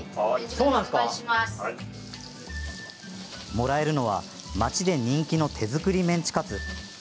もらえるのは町で人気の手作りメンチカツ。